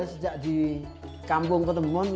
sejak di kampung ketembon